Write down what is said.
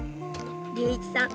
隆一さん